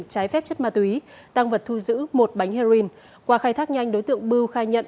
trái phép chất ma túy tăng vật thu giữ một bánh heroin qua khai thác nhanh đối tượng bưu khai nhận